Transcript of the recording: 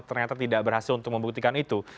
ternyata tidak berhasil untuk membuktikan itu